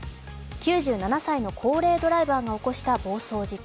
９７歳の高齢ドライバーが起こした事故。